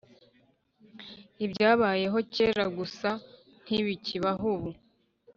ibyabayeho kera gusa nti bikibaho ubu